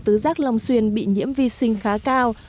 tứ giác long xuyên bị nhiễm vi sinh khá cao